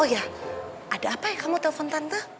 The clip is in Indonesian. oh iya ada apa ya kamu telepon tante